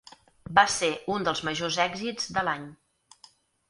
Va ser un dels majors èxits de l'any.